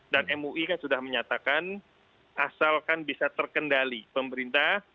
dan mui kan sudah menyatakan asalkan bisa terkendali pemerintah